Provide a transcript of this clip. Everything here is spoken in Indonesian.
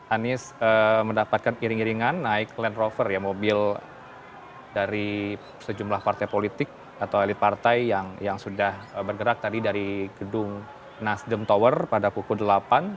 anies mendapatkan iring iringan naik land rover ya mobil dari sejumlah partai politik atau elit partai yang sudah bergerak tadi dari gedung nasdem tower pada pukul delapan